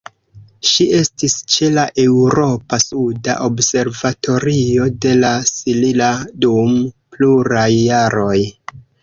Ŝi estis ĉe la Eŭropa suda observatorio de La Silla dum pluraj jaroj.